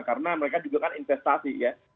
karena mereka juga kan investasi ya